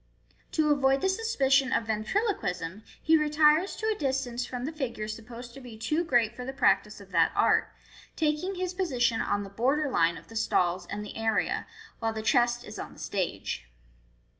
To avoid the suspicion of ventrilo quism, he retires to a distance from the figure supposed to be too great for the practice of that art, taking his position on the border line of the stalls and the area, while the chest is on the stage.